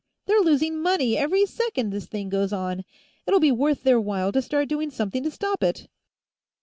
They're losing money every second this thing goes on. It'll be worth their while to start doing something to stop it!"